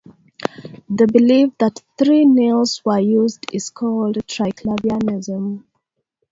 The belief that three nails were used is called Triclavianism.